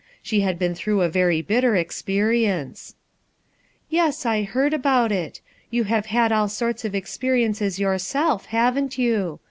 She had been through a very bitter experience," "Yes, I heard about it You haro had all sorts of experiences yourself, haven't you?